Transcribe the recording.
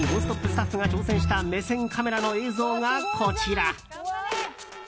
スタッフが挑戦した目線カメラの映像がこちら。